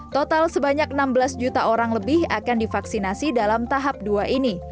total sebanyak enam belas juta orang lebih akan divaksinasi dalam tahap dua ini